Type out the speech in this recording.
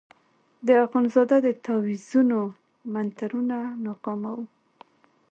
د اخندزاده د تاویزونو منترونه ناکامه وو.